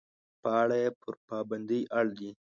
په اړه یې پر پابندۍ اړ دي.